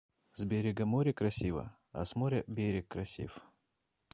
С берега море красиво, а с моря - берег красив.